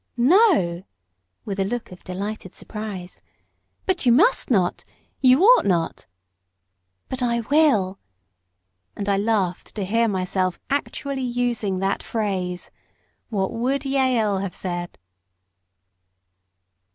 "No?" with a look of delighted surprise. "But you must not you ought not." "But I WILL!" And I laughed to hear myself actually using that phrase. What would Jael have said?